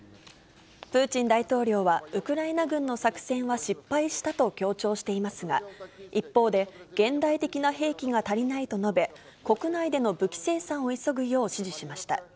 プーチン大統領は、ウクライナ軍の作戦は失敗したと強調していますが、一方で、現代的な兵器が足りないと述べ、国内での武器生産を急ぐよう指示しました。